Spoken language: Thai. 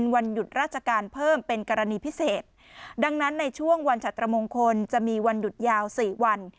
วันหยุดราชการเพิ่มเป็นกรณีพิเศษดังนั้นในช่วงวันชัตรมงคลจะมีวันหยุดยาวสี่วัน